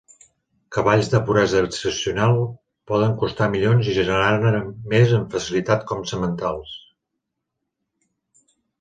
Cavalls de puresa excepcional poden costar milions i generar-ne més amb facilitat com sementals.